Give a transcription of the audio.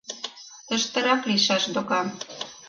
— Тыштырак лийшаш докан...